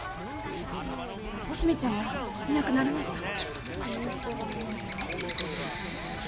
おすみちゃんがいなくなりました！